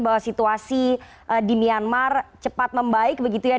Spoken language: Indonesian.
bahwa situasi di myanmar cepat membaik begitu ya